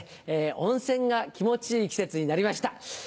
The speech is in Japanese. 温泉が気持ちいい季節になりました。